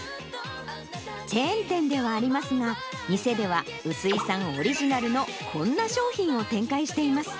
チェーン店ではありますが、店では薄井さんオリジナルのこんな商品を展開しています。